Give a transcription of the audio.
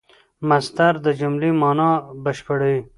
مصدر د جملې مانا بشپړوي.